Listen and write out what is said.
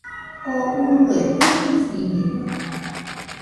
¿Oo urue taɨbɨsiñede?